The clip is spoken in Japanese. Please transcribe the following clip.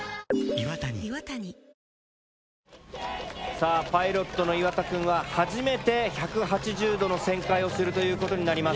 さあパイロットの岩田くんは初めて１８０度の旋回をするという事になります。